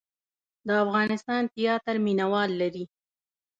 د افغانستان تیاتر مینه وال لري